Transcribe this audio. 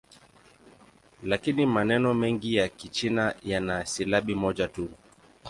Lakini maneno mengi ya Kichina yana silabi moja tu.